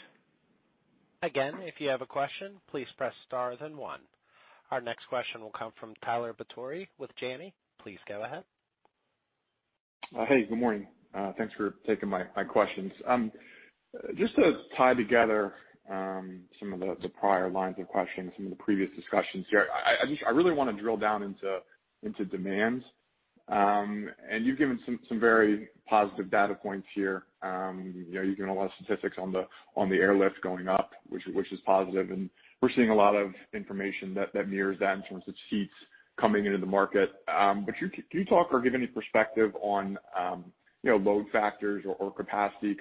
If you have a question, please press star then one. Our next question will come from Tyler Batory with Janney. Please go ahead. Hey, good morning. Thanks for taking my questions. To tie together some of the prior lines of questioning, some of the previous discussions here, I really want to drill down into demand. You've given some very positive data points here. You've given a lot of statistics on the airlift going up, which is positive. We're seeing a lot of information that mirrors that in terms of seats coming into the market. Can you talk or give any perspective on load factors or capacity?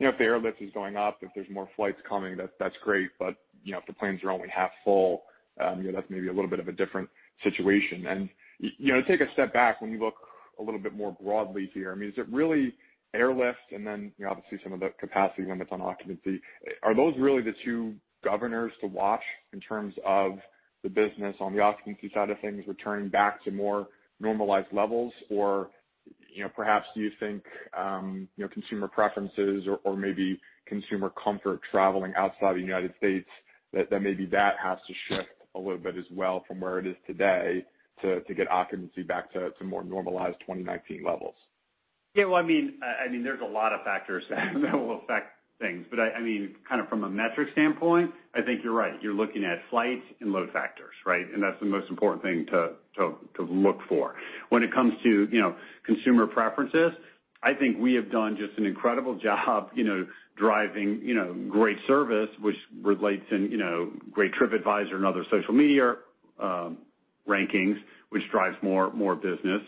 If the airlift is going up, if there's more flights coming, that's great, but if the planes are only half full, that's maybe a little bit of a different situation. To take a step back, when you look a little bit more broadly here, I mean, is it really airlift, and then obviously some of the capacity limits on occupancy? Are those really the two governors to watch in terms of the business on the occupancy side of things returning back to more normalized levels? Or perhaps do you think consumer preferences or maybe consumer comfort traveling outside the United States, that maybe that has to shift a little bit as well from where it is today to get occupancy back to more normalized 2019 levels? Yeah. There's a lot of factors that will affect things. From a metric standpoint, I think you're right. You're looking at flights and load factors, right? That's the most important thing to look for. When it comes to consumer preferences, I think we have done just an incredible job driving great service, which relates in great Tripadvisor and other social media rankings, which drives more business.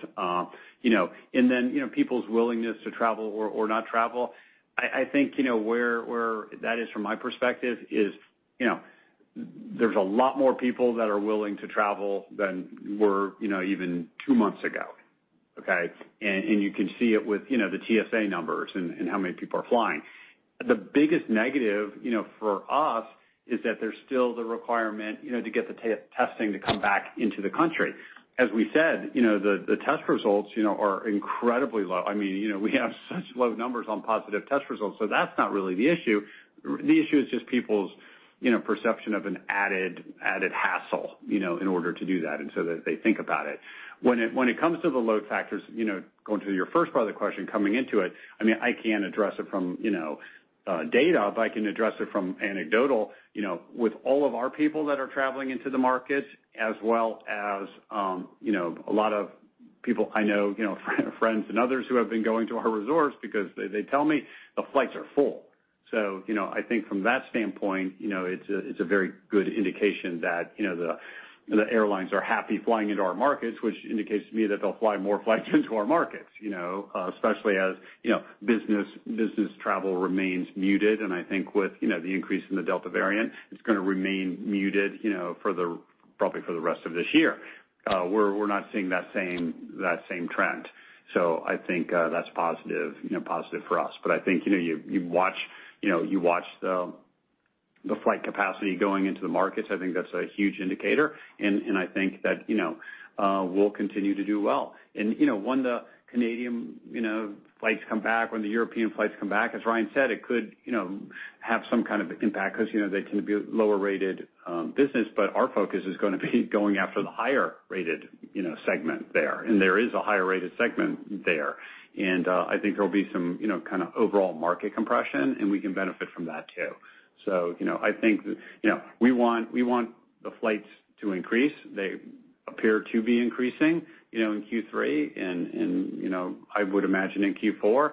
Then people's willingness to travel or not travel, I think where that is from my perspective is, there's a lot more people that are willing to travel than were even two months ago. Okay. You can see it with the TSA numbers and how many people are flying. The biggest negative for us is that there's still the requirement to get the testing to come back into the country. As we said, the test results are incredibly low. We have such low numbers on positive test results, so that's not really the issue. The issue is just people's perception of an added hassle in order to do that, and so that they think about it. When it comes to the load factors, going to your first part of the question coming into it, I can't address it from data, but I can address it from anecdotal. With all of our people that are traveling into the markets, as well as a lot of people I know, friends and others who have been going to our resorts because they tell me the flights are full. I think from that standpoint, it's a very good indication that the airlines are happy flying into our markets, which indicates to me that they'll fly more flights into our markets, especially as business travel remains muted. I think with the increase in the Delta variant, it's going to remain muted probably for the rest of this year. We're not seeing that same trend. I think that's positive for us. I think you watch the flight capacity going into the markets, I think that's a huge indicator, and I think that we'll continue to do well. When the Canadian flights come back, when the European flights come back, as Ryan said, it could have some kind of impact because they tend to be a lower rated business, but our focus is going to be going after the higher rated segment there. There is a higher rated segment there. I think there'll be some kind of overall market compression, and we can benefit from that too. I think we want the flights to increase. They appear to be increasing in Q3 and I would imagine in Q4.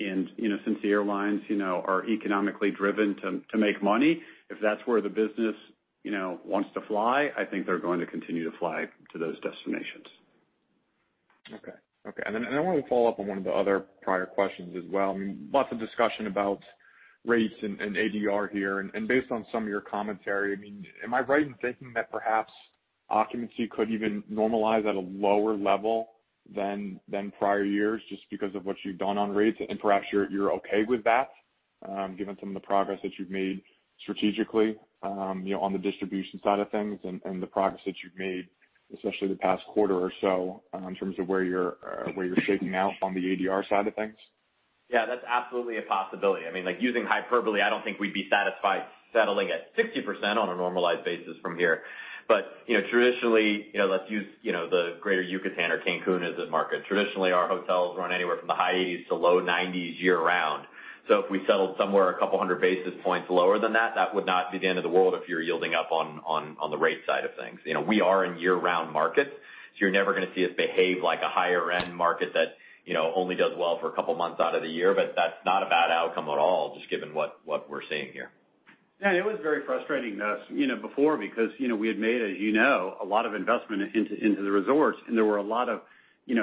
Since the airlines are economically driven to make money, if that's where the business wants to fly, I think they're going to continue to fly to those destinations. Okay. Then I want to follow up on one of the other prior questions as well. Lots of discussion about rates and ADR here, and based on some of your commentary, am I right in thinking that perhaps occupancy could even normalize at a lower level than prior years just because of what you've done on rates? Perhaps you're okay with that given some of the progress that you've made strategically on the distribution side of things and the progress that you've made, especially the past quarter or so, in terms of where you're shaping out on the ADR side of things? Yeah, that's absolutely a possibility. Using hyperbole, I don't think we'd be satisfied settling at 60% on a normalized basis from here. Traditionally, let's use the greater Yucatán or Cancún as a market. Traditionally, our hotels run anywhere from the high 80s to low 90s year round. If we settled somewhere 200 basis points lower than that would not be the end of the world if you're yielding up on the rate side of things. We are in year-round markets, so you're never going to see us behave like a higher end market that only does well for two months out of the year, but that's not a bad outcome at all, just given what we're seeing here. Yeah, it was very frustrating to us before because we had made, as you know, a lot of investment into the resorts, and there were a lot of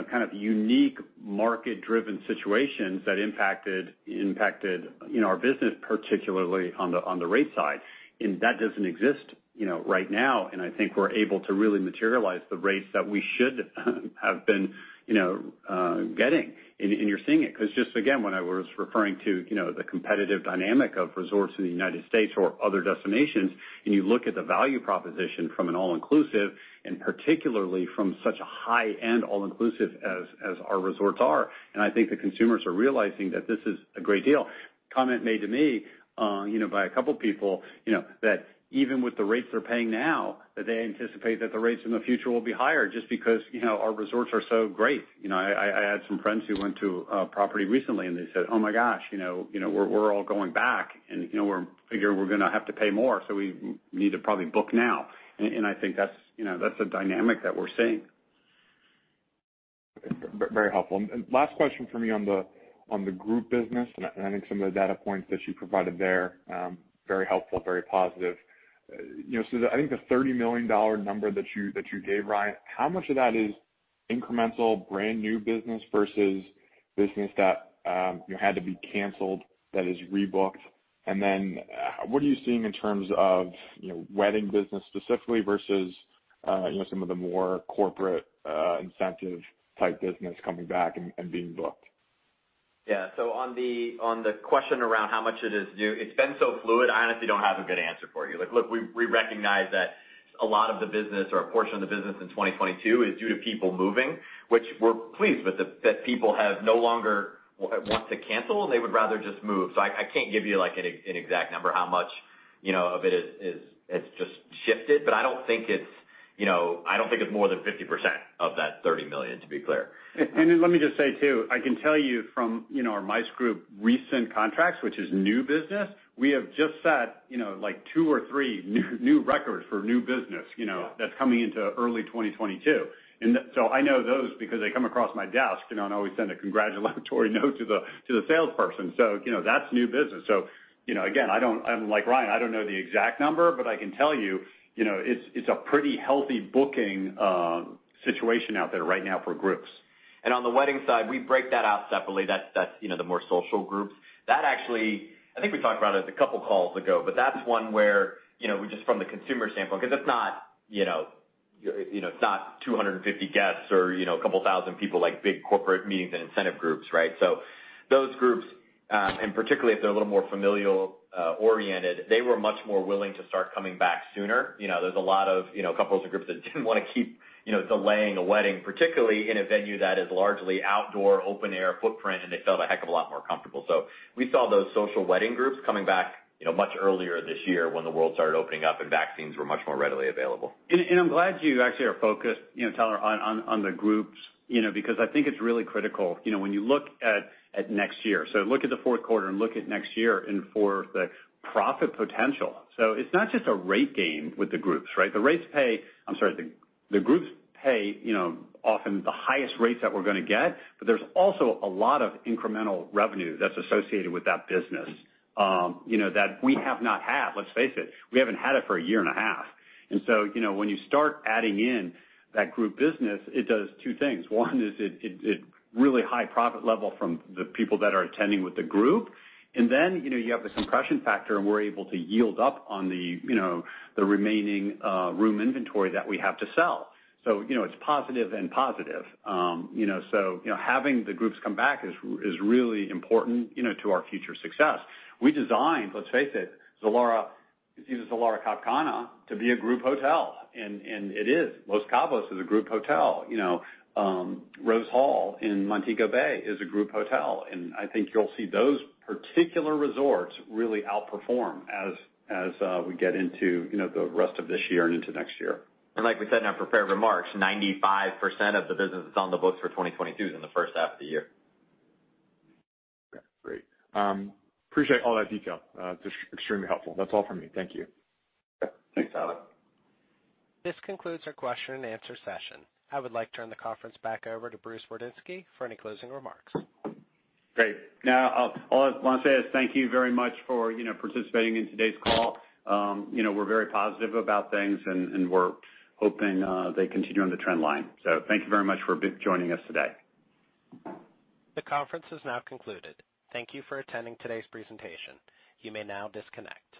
kind of unique market-driven situations that impacted our business, particularly on the rate side. That doesn't exist right now, and I think we're able to really materialize the rates that we should have been getting. You're seeing it, because just again, when I was referring to the competitive dynamic of resorts in the United States or other destinations, and you look at the value proposition from an all-inclusive, and particularly from such a high-end all-inclusive as our resorts are. I think the consumers are realizing that this is a great deal. Comment made to me by a couple of people, that even with the rates they're paying now, that they anticipate that the rates in the future will be higher just because our resorts are so great. I had some friends who went to a property recently, and they said, oh my gosh, we're all going back and we're figuring we're going to have to pay more, so we need to probably book now. I think that's a dynamic that we're seeing. Very helpful. Last question from me on the group business, and I think some of the data points that you provided there, very helpful, very positive. I think the $30 million number that you gave, Ryan, how much of that is incremental brand new business versus business that had to be canceled that is rebooked? Then what are you seeing in terms of wedding business specifically versus some of the more corporate incentive type business coming back and being booked. On the question around how much it is new, it's been so fluid, I honestly don't have a good answer for you. Look, we recognize that a lot of the business or a portion of the business in 2022 is due to people moving, which we're pleased that people have no longer want to cancel and they would rather just move. I can't give you an exact number how much of it has just shifted, but I don't think it's more than 50% of that $30 million, to be clear. Let me just say too, I can tell you from our MICE group recent contracts, which is new business, we have just set like two or three new records for new business that's coming into early 2022. I know those because they come across my desk, and I always send a congratulatory note to the salesperson. That's new business. Again, like Ryan, I don't know the exact number, but I can tell you, it's a pretty healthy booking situation out there right now for groups. On the wedding side, we break that out separately. That's the more social groups. That actually, I think we talked about it a couple of calls ago, but that's one where, just from the consumer standpoint, because it's not 250 guests or 2,000 people like big corporate meetings and incentive groups, right? Those groups, and particularly if they're a little more familial oriented, they were much more willing to start coming back sooner. There's a lot of couples or groups that didn't want to keep delaying a wedding, particularly in a venue that is largely outdoor, open-air footprint, and they felt a heck of a lot more comfortable. We saw those social wedding groups coming back much earlier this year when the world started opening up and vaccines were much more readily available. I'm glad you actually are focused, Tyler, on the groups, because I think it's really critical when you look at next year. Look at the fourth quarter and look at next year and for the profit potential. It's not just a rate game with the groups, right? The groups pay often the highest rates that we're going to get, but there's also a lot of incremental revenue that's associated with that business that we have not had. Let's face it, we haven't had it for a year and a half. When you start adding in that group business, it does two things. One is it's really high profit level from the people that are attending with the group. Then you have the compression factor and we're able to yield up on the remaining room inventory that we have to sell. It's positive and positive. Having the groups come back is really important to our future success. We designed, let's face it, Zilara Cap Cana to be a group hotel, and it is. Los Cabos is a group hotel. Rose Hall in Montego Bay is a group hotel. I think you'll see those particular resorts really outperform as we get into the rest of this year and into next year. Like we said in our prepared remarks, 95% of the business that's on the books for 2022 is in the first half of the year. Okay, great. Appreciate all that detail. Extremely helpful. That's all for me. Thank you. Thanks, Tyler. This concludes our question-and-answer session. I would like to turn the conference back over to Bruce Wardinski for any closing remarks. Great. All I want to say is thank you very much for participating in today's call. We're very positive about things, and we're hoping they continue on the trend line. Thank you very much for joining us today. The conference has now concluded. Thank you for attending today's presentation. You may now disconnect.